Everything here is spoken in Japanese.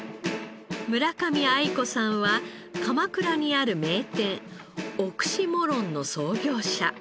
村上愛子さんは鎌倉にある名店ＯＸＹＭＯＲＯＮの創業者。